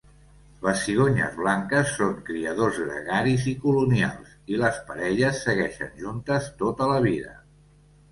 Les cigonyes blanques són criadors gregaris i colonials, i les parelles segueixen juntes tota la vida.